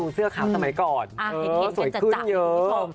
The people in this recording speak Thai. เห็นสวยขึ้นเยอะ